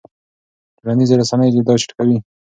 ټولنیزې رسنۍ دا چټکوي.